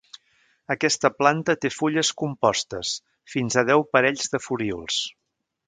Aquesta planta té fulles compostes, fins a deu parells de folíols.